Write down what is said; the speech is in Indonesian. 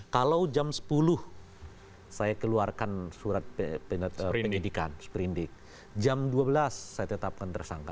kalau jam sepuluh saya keluarkan surat penyidikan sprindik jam dua belas saya tetapkan tersangka